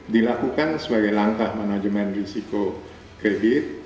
dilakukan sebagai langkah manajemen risiko kredit